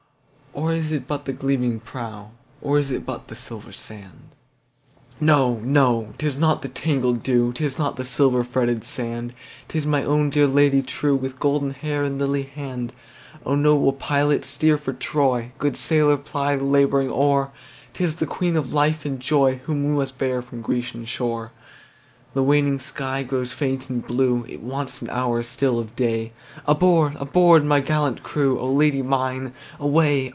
Or is it but the gleaming prow, Or is it but the silver sand? No! no! 'tis not the tangled dew,'Tis not the silver fretted sand, It is my own dear Lady trueWith golden hair and lily hand!O noble pilot steer for Troy, Good sailor ply the labouring oar, This is the Queen of life and joyWhom we must bear from Grecian shore! The waning sky grows faint and blue, It wants an hour still of day, Aboard! aboard! my gallant crew,O Lady mine away!